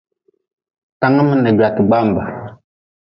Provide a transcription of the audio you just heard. Tanngim n gwaate gbambe.